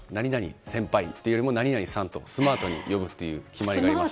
先輩何々さんとスマートに呼ぶという決まりがありました。